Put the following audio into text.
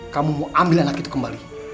kamu mau ambil anak itu kembali